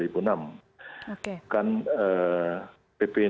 bukan pp sembilan puluh sembilan